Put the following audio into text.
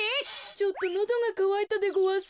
ちょっとのどがかわいたでごわす。